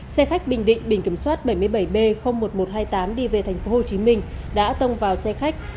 xe khách bình định bình kiểm soát bảy mươi bảy b một nghìn một trăm hai mươi tám đi về tp hcm đã tông vào xe khách